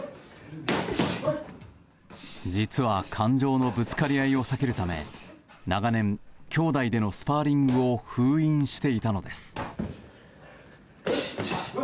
実は、感情のぶつかり合いを避けるため長年、兄弟でのスパーリングを封印していたのです。